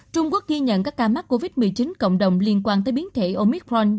trung quốc ghi nhận các ca mắc covid một mươi chín cộng đồng liên quan tới biến thể omitron